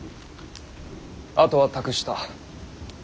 あとは託した。